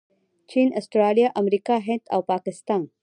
چین، اسټرلیا، امریکا، هند او پاکستان